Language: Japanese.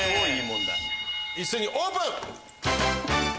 一斉にオープン！